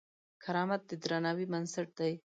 کرامت د درناوي بنسټ دی.